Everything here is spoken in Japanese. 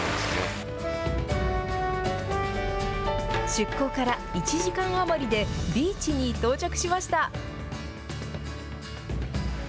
出航から１時間余りでビーチに到着しました。